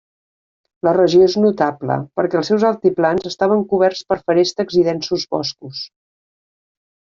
La regió és notable perquè els seus altiplans estaven coberts per feréstecs i densos boscos.